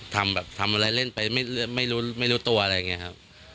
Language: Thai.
ทำอะไรเปลี่ยนไปไม่รู้ตัวอะไรอย่างนี้ครับ